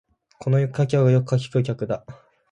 この客はよく柿食う客だ